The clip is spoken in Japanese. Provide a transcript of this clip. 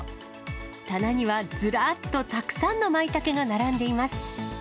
棚にはずらっとたくさんのまいたけが並んでいます。